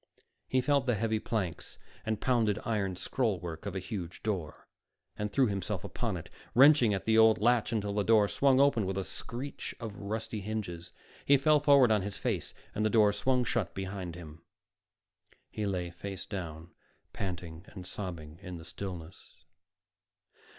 He felt the heavy planks and pounded iron scrollwork of a huge door, and threw himself upon it, wrenching at the old latch until the door swung open with a screech of rusty hinges. He fell forward on his face, and the door swung shut behind him. He lay face down, panting and sobbing in the stillness.